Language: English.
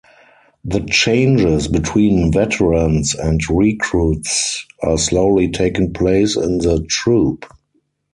The changes between veterans and recruits are slowly taking place in the troop.